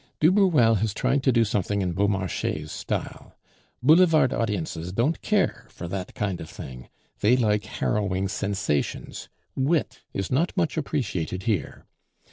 "Du Bruel has tried to do something in Beaumarchais' style. Boulevard audiences don't care for that kind of thing; they like harrowing sensations; wit is not much appreciated here.